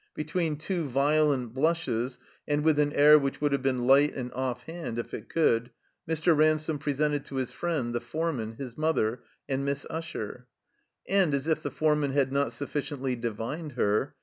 Between two violent blushes, and with an air which would have been light and ofihand if it could, Mr. Ransome presented to his friend, the foreman, his mother — and Miss Usher. And as if the foreman had not sufficiently divined her.